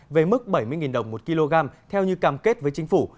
về mức bảy mươi đồng một kg theo như cam kết với chính phủ